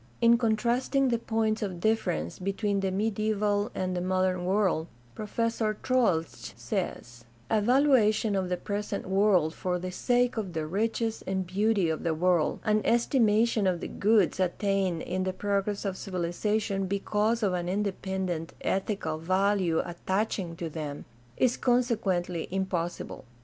In contrasting the points of difference between the medi aeval and the modern world Professor Troeltsch says: A valuation of the present world for the sake of the riches and beauty of the world, an estimation of the goods attained iriT the progress of civilization because of an independent ethical value attaching to them, is consequently impossible.